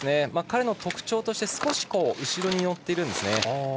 彼の特徴として少し後ろに乗っているんですね。